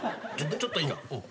ちょっといいか？